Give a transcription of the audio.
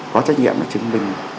có trách nhiệm chứng minh